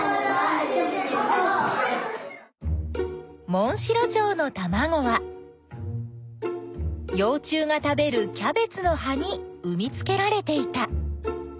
モンシロチョウのたまごはよう虫が食べるキャベツのはにうみつけられていた。